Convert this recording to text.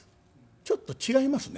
ちょっと違いますね。